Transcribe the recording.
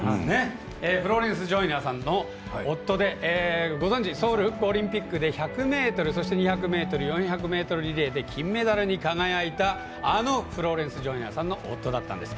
フローレンス・ジョイナーさんの夫でソウルオリンピックで１００ｍやリレーで金メダルに輝いた、あのフローレンス・ジョイナーさんの夫だったんです。